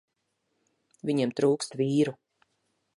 Viņiem trūkst vīru.